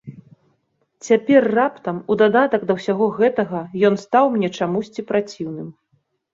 Цяпер раптам, у дадатак да ўсяго гэтага, ён стаў мне чамусьці праціўным.